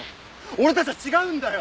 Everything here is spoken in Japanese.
俺たちは違うんだよ！